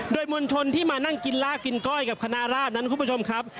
โดยมวลชนที่มานั่งกินลาบกินก้อยกับคณะราชนั้นคุณผู้ชมครับ